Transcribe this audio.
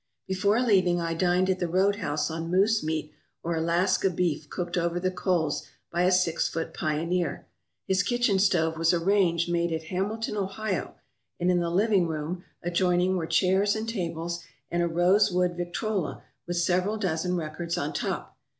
Before leaving I dined at the roadhouse on moose meat or Alaska beef cooked over the coals by a six foot pioneer. His kitchen stove was a range made at Hamil ton, Ohio, and in the living room adjoining were chairs and tables and a rosewood Victrola with several dozen records on top.